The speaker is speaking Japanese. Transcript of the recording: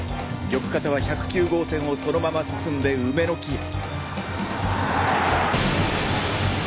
玉方は１０９号線をそのまま進んで梅の木へ。